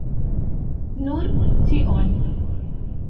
Nur tion.